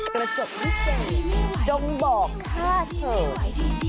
กระจกพิเศษจงบอกฆ่าเฉย